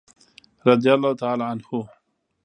رضي الله تعالی عنه.